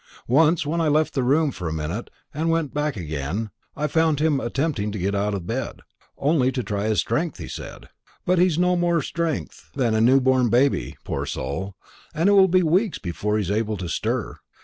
Once, when I left the room for a minute and went back again, I found him attempting to get out of bed only to try his strength, he said. But he's no more strength than a new born baby, poor soul, and it will be weeks before he's able to stir.